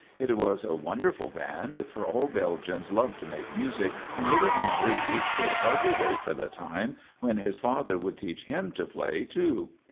It was a wonderful band, for all Belgians love to make music, and little Henri could hardly wait for the time when his father would teach him to play, too.